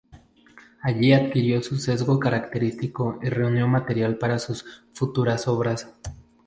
Allí adquirió su sesgo característico y reunió material para sus futuras obras.